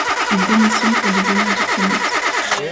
Il démissionne pour devenir diplomate.